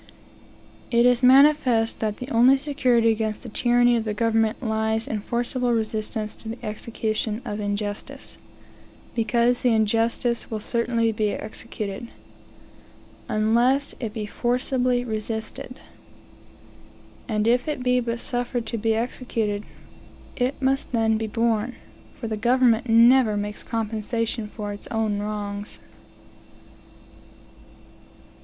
It is manifest that the only security against the tyranny of the government lies in forcible resistance to the execution of the injustice; because the injustice will certainly be executed, unless it be forcibly resisted. And if it be but suffered to be executed, it must then be borne; for the government never makes compensation for its own wrongs.